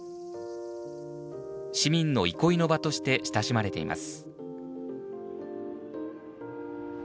市民の憩いの場として親しまれています。